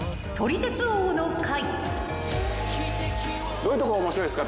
どういうとこが面白いですか？